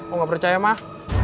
kok gak percaya mah